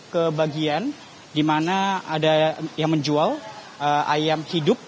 ke bagian di mana ada yang menjual ayam hidup